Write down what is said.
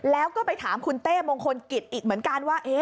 แล้วก็ไปถามคุณเต้มงคลกิจอีกเหมือนกันว่า